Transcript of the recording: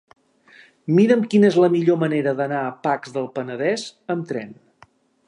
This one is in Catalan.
Mira'm quina és la millor manera d'anar a Pacs del Penedès amb tren.